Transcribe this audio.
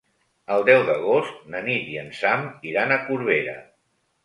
El deu d'agost na Nit i en Sam iran a Corbera.